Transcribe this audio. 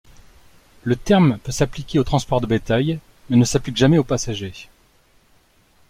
Le terme peut s'appliquer au transport de bétail mais ne s'applique jamais aux passagers.